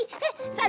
itu di mana